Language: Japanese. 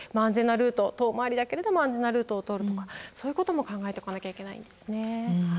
遠回りだけれども安全なルートを通るとかそういうことも考えておかなきゃいけないですね。